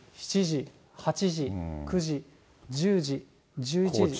５時、６時、７時、８時、９時、１０時、１１時。